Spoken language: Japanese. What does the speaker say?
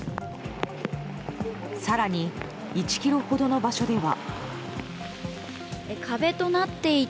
更に１ｋｍほどの場所では。